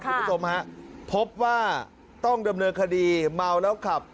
คุณผู้ชมฮะพบว่าต้องดำเนินคดีเมาแล้วขับ